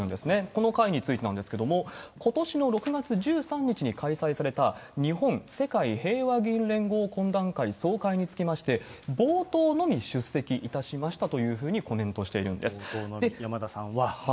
この会についてなんですけれども、ことしの６月１３日に開催された日本・世界平和議員連合懇談会総会につきまして、冒頭のみ出席いたしましたというふうにコメント山田さんは。